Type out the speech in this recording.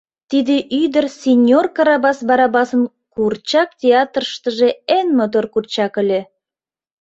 Тиде ӱдыр синьор Карабас Барабасын куурчак театрыштыже эн мотор курчак ыле.